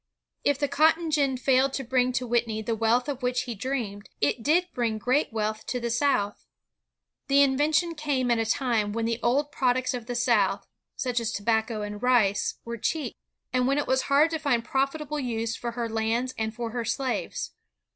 If the cotton gin failed to bring to Whitney the wealth of which he dreamed, it did bring great wealth to the South. The invention came at a time when the old products of the South, such as tobacco and rice, were cheap, arid when it was hard to find profitable use for her lands and for her slaves.